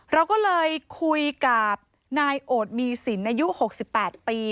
เราก็เลยคุยกับนายโอดมีสินอายุ๖๘ปี